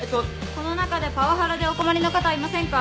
この中でパワハラでお困りの方はいませんか？